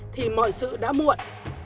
thì mọi sự đã muộn